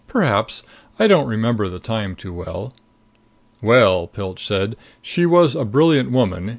"Perhaps. I don't remember the time too well." "Well," Pilch said, "she was a brilliant woman.